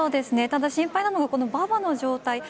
ただ、心配なのが馬場の状態。